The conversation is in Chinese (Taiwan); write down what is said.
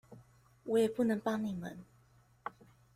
我也不能幫你們